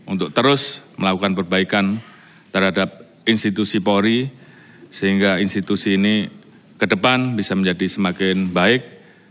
untuk terus melakukan perbaikan terhadap institusi polri sehingga institusi ini ke depan bisa menjadi semakin baik